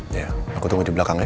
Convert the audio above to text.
iya aku tunggu di belakang ya